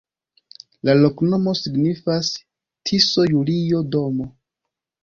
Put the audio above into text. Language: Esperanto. La loknomo signifas: Tiso-Julio-domo.